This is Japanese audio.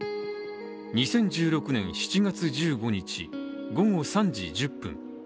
２０１６年７月１５日午後３時１０分。